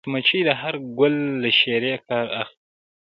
مچمچۍ د هر ګل له شيرې کار اخلي